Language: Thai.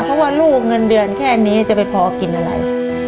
เพราะว่าลูกเงินเดือนแค่นี้จะไปพอกินอะไร